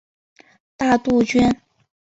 大杜鹃。